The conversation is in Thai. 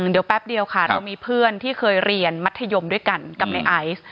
เดี๋ยวแป๊บเดียวค่ะเรามีเพื่อนที่เคยเรียนมัธยมด้วยกันกับในไอซ์